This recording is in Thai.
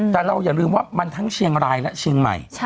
แต่เราอย่าลืมว่ามันทั้งเชียงรายและเชียงใหม่